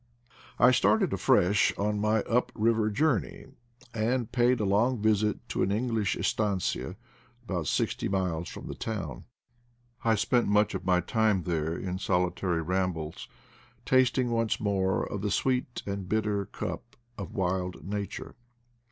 I started afresh on my up river journey, and paid a long visit to an English estanoia about sixty miles from the town. I spent much of my time there in solitary rambles, tasting once more of the "sweet and bitter cup of wild Nature.'